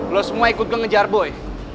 lu semua ikut ke ngejar woy